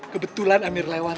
kebetulan amir lewat